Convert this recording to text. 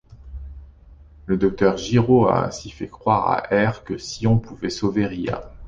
Le Docteur Giro a ainsi fait croire à R que Cyon pouvait sauver Ria.